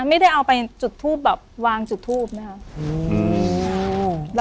ไม่ได้เอาไปจุดทูปแบบวางจุดทูบไหมคะ